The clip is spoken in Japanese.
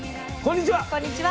こんにちは。